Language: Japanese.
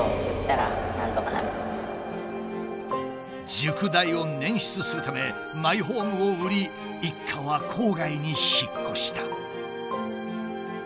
塾代を捻出するためマイホームを売り一家は郊外に引っ越した。